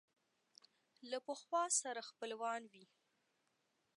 له پخوا سره خپلوان وي